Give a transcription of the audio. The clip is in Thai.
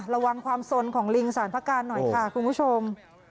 ระวังความสนของลิงสารพระการหน่อยค่ะคุณผู้ชม